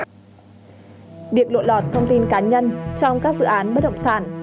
việc lộ lọt thông tin cá nhân trong các dự án bất động sản